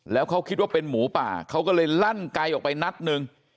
แล้วเขาคิดว่าเป็นหมูป่าเขาก็เลยลั่นไกลออกไปนัดหนึ่ง